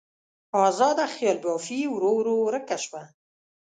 ازاده خیال بافي ورو ورو ورکه شوه.